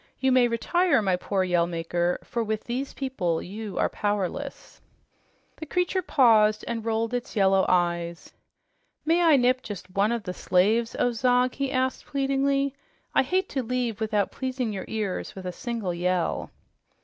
"You may retire, my poor Yell Maker, for with these people you are powerless." The creature paused and rolled its yellow eyes. "May I nip just one of the slaves, oh Zog?" it asked pleadingly. "I hate to leave without pleasing your ears with a single yell."